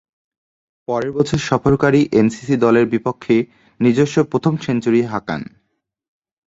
পরের বছর সফরকারী এমসিসি দলের বিপক্ষে নিজস্ব প্রথম সেঞ্চুরি হাঁকান।